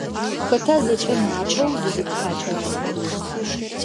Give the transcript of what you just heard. Хэта зэкӏэм апэу зызытхьакӏырэр?